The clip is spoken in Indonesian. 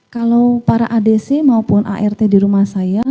kalau para adc maupun art di rumah saya